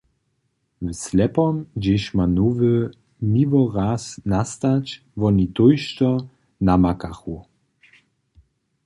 W Slepom, hdźež ma Nowy Miłoraz nastać, woni tójšto namakachu.